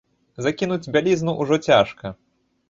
Закінуць бялізну ўжо цяжка.